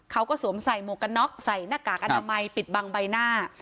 สวมใส่หมวกกันน็อกใส่หน้ากากอนามัยปิดบังใบหน้า